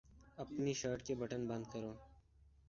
اپنی شرٹ کے بٹن بند کرو